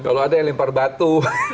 kalau ada yang lempar batu